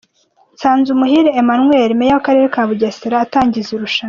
Nsanzumuhire Emmanuel Meya w'Akarere ka Bugesera atangiza irushanwa.